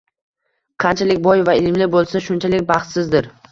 Qanchalik boy va ilmli bo`lsa, shunchalik baxtsizdir